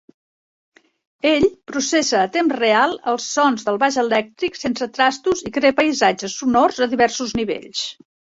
Ell processa a temps real els sons del baix elèctric sense trastos i crea paisatges sonors a diversos nivells.